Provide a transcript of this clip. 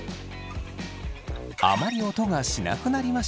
あまり音がしなくなりました。